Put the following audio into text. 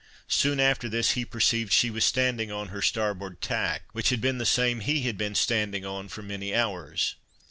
Soon after this he perceived she was standing on her starboard tack, which had been the same he had been standing on for many hours.